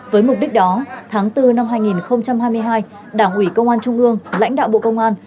với mục đích đó tháng bốn năm hai nghìn hai mươi hai đảng ủy công an trung ương lãnh đạo bộ công an